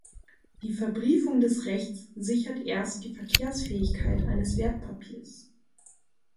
Die Verbriefung des Rechts sichert erst die Verkehrsfähigkeit eines Wertpapiers.